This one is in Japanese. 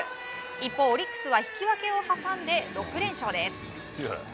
一方、オリックスは引き分けを挟んで６連勝です。